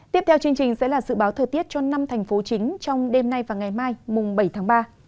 tiếp theo chương trình sẽ là dự báo thời tiết cho năm thành phố chính trong đêm nay và ngày mai mùng bảy tháng ba